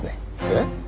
えっ？